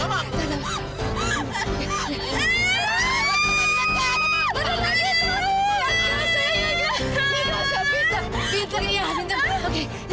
mereka ada lebih lagi